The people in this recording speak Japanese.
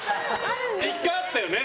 １回あったよね。